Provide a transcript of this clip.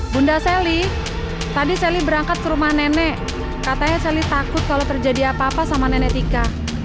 bunda sally tadi sally berangkat ke rumah nenek katanya selly takut kalau terjadi apa apa sama nenek tika